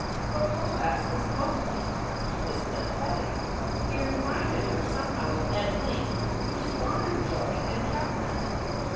But Boas was lonely. He was pathetic. He reminded her somehow of Ned Ling, who squandered joy and kept none.